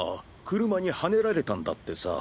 車にはねられたんだってさ。